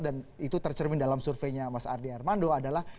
itu tercermin dalam surveinya mas ardi armando adalah